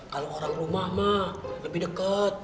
kalau orang rumah mak lebih deket